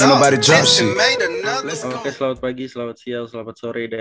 oke selamat pagi selamat siang selamat sore